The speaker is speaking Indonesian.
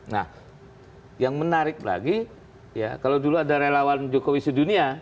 nah yang menarik lagi ya kalau dulu ada relawan jokowi sedunia